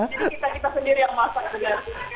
jadi kita sendiri yang masak juga